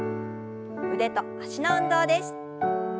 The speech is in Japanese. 腕と脚の運動です。